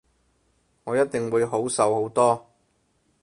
我一定會好受好多